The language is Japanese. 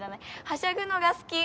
はしゃぐのが好き。